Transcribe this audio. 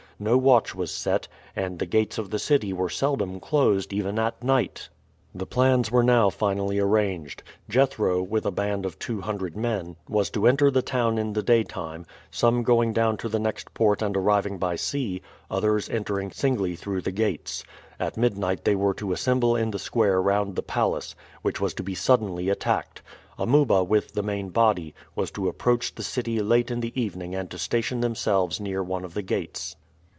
No watch was set, and the gates of the city were seldom closed even at night. The plans were now finally arranged. Jethro, with a band of two hundred men, was to enter the town in the daytime; some going down to the next port and arriving by sea, others entering singly through the gates. At midnight they were to assemble in the square round the palace, which was to be suddenly attacked. Amuba, with the main body, was to approach the city late in the evening and to station themselves near one of the gates.